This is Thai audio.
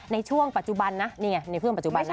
ในช่วงปัจจุบันนะนี่ไงในเครื่องปัจจุบันนะ